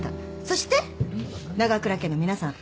そして長倉家の皆さん。